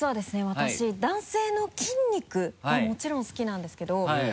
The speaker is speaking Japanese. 私男性の筋肉はもちろん好きなんですけど。